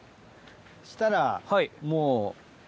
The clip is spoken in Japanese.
そしたらもう。